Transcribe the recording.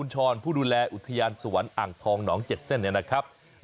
ใช่แล้วครับ